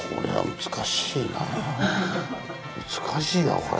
難しいなこれ。